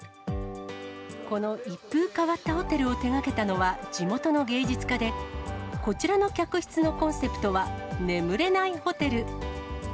この一風変わったホテルを手がけたのは地元の芸術家で、こちらの客室のコンセプトは眠れないホテル。